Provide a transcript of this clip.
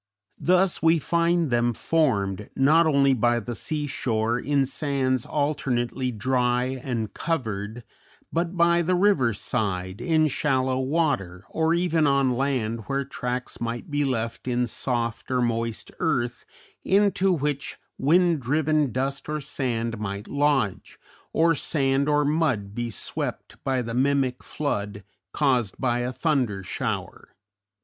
Thus we find them formed not only by the sea shore, in sands alternately dry and covered, but by the river side, in shallow water, or even on land where tracks might be left in soft or moist earth into which wind driven dust or sand might lodge, or sand or mud be swept by the mimic flood caused by a thunder shower.